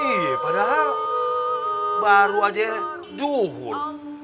iya padahal baru aja duhur